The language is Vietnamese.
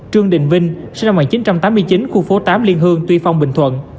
trương đình vinh sinh năm một nghìn chín trăm tám mươi chín khu phố tám liên hương tuy phong bình thuận